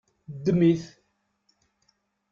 Ddem-it.